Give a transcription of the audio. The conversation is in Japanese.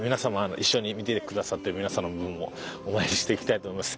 一緒に見てくださってる皆さんの分もお参りしていきたいと思います。